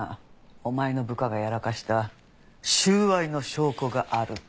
「お前の部下がやらかした収賄の証拠がある」って。